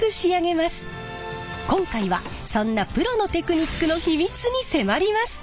今回はそんなプロのテクニックの秘密に迫ります。